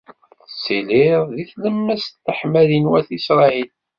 Tettiliḍ di tlemmast n leḥmadi n wat Isṛayil.